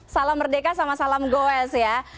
salam merdeka sama salam goes ya